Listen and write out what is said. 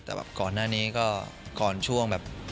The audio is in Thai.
แต่แบบก่อนหน้านี้ก็ก่อนช่วงแบบ